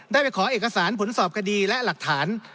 ได้ไปขอเอกสารผลสอบคดีและหลักฐาน